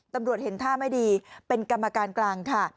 ตำรวจเห็นท่าไม่ดีเป็นกรรมการกลางค่ะ